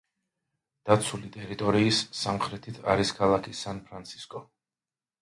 დაცული ტერიტორიის სამხრეთით არის ქალაქი სან-ფრანცისკო.